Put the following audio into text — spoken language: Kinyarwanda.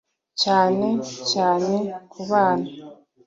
cyane cyane ku bana